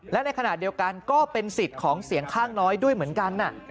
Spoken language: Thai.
และในขณะเดียวกันก็เป็นสิทธิ์ของเสียงข้างน้อยด้วยเหมือนกัน